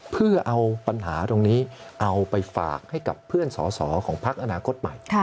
เพื่อเอาปัญหาตรงนี้เอาไปฝากให้กับเพื่อนสอสอของพักอนาคตใหม่